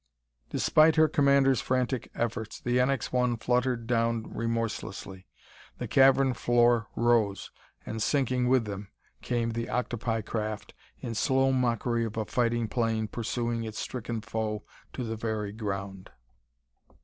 Despite her commander's frantic efforts, the NX 1 fluttered down remorselessly; the cavern floor rose, and, sinking with them, came the octopi craft, in slow mockery of a fighting plane pursuing its stricken foe to the very ground....